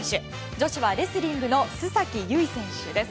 女子はレスリングの須崎優衣選手です。